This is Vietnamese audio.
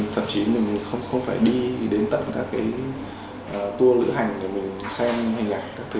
thậm chí mình không phải đi đến tận các cái tour lữ hành để mình xem hình ảnh các thứ